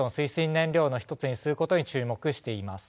燃料の一つにすることに注目しています。